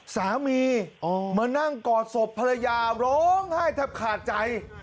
สามีมานั่งกอดศพภรรยาร้องไห้แทบขาดใจ